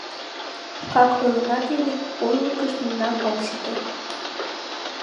Шкак ойленат ыле, урлыкышт мемнан ок сите.